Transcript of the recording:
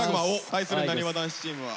対するなにわ男子チームは？